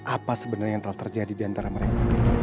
apa sebenarnya yang telah terjadi diantara mereka